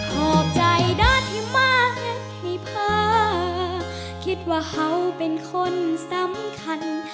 ขอบใจด้านที่มากนะที่เพิ่มคิดว่าเฮ้าเป็นคนสำคัญ